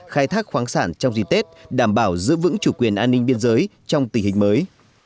khai thác khoáng sản trong dịp tết đảm bảo giữ vững chủ quyền an ninh biên giới trong tình hình mới